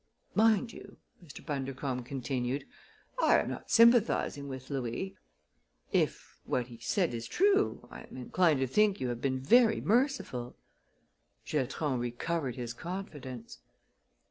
"Mind you," Mr. Bundercombe continued, "I am not sympathizing with Louis. If what he said is true I am inclined to think you have been very merciful." Giatron recovered his confidence.